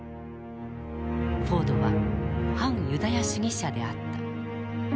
フォードは反ユダヤ主義者であった。